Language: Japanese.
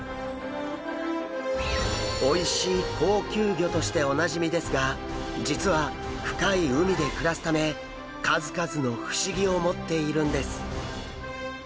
おいしい高級魚としておなじみですが実は深い海で暮らすため数々の不思議を持っているんです。